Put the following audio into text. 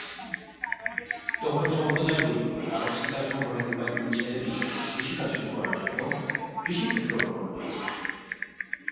তখন সম্প্রদায়গুলি তাদের শিকার-সংগ্রহের উপায়গুলি ছেড়ে দিয়ে কৃষিকাজ শুরু করার জন্য কৃষিক্ষেত্র গ্রহণ করেছে।